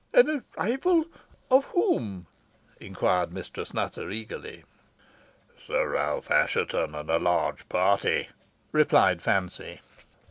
"An arrival! of whom?" inquired Mistress Nutter, eagerly. "Sir Ralph Assheton and a large party," replied Fancy.